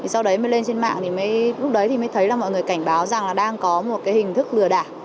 sau đấy mới lên trên mạng thì mới thấy là mọi người cảnh báo rằng là đang có một cái hình thức lừa đả